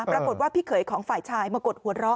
ปรากฏว่าพี่เขยของฝ่ายชายมากดหัวเราะ